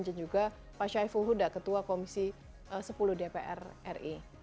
dan juga pak syaiful huda ketua komisi sepuluh dpr ri